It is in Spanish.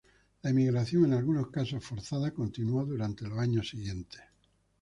La emigración, en algunos casos forzada, continuó durante los años siguientes.